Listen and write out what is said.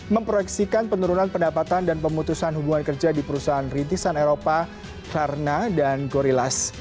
memproyeksikan penurunan pendapatan dan pemutusan hubungan kerja di perusahaan rintisan eropa karena dan gorillas